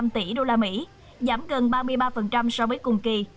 năm tỷ usd giảm gần ba mươi ba so với cùng kỳ